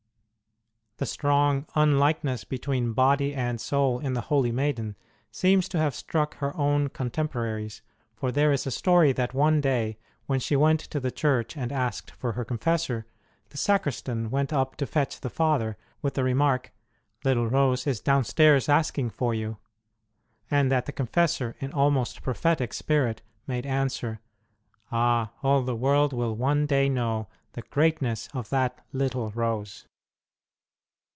The strong unlikeness between body and soul in the holy maiden seems to have struck her own contemporaries ; for there is a story that one day, when she went to the church and asked for her confessor, the sacristan went up to fetch the Father, with the remark, Little Rose is downstairs asking for you ; and that the con fessor, in almost prophetic spirit, made answer, 1 Ah ! all the world will one day know the great ness of that "little" Rose.